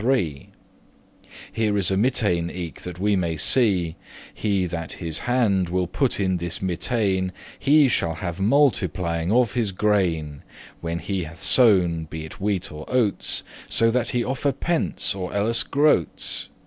<4> knew her sin* Here is a mittain* eke, that ye may see; *glove, mitten He that his hand will put in this mittain, He shall have multiplying of his grain, When he hath sowen, be it wheat or oats, So that he offer pence, or elles groats.